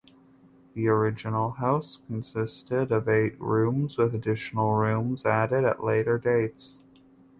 The original house consisted of eight rooms with additional rooms added at later dates.